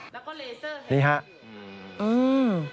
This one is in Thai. แล้วก็เลเซอร์เห็นอยู่